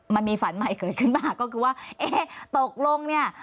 มันมีฝันใหม่เกิดขึ้นมาก็คือว่าเอ๊ะตกลงเนี่ย